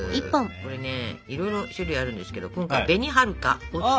これねいろいろ種類あるんですけど今回は「紅はるか」を使います！